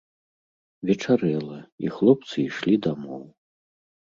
Вечарэла, і хлопцы ішлі дамоў.